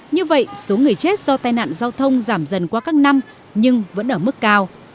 như vậy số người chết do tai nạn giao thông giảm dần qua các năm nhưng vẫn ở mức cao